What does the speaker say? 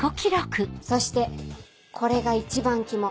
そしてこれが一番肝。